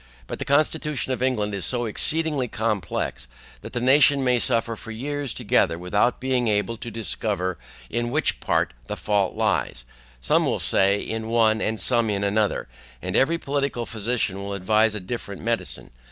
But the constitution of England is so exceedingly complex, that the nation may suffer for years together without being able to discover in which part the fault lies, some will say in one and some in another, and every political physician will advise a different medicine.